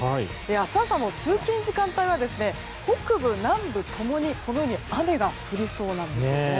明日朝も通勤時間帯は北部、南部共に雨が降りそうなんですね。